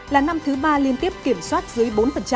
là năm thứ ba liên tiếp kiểm soát dưới bốn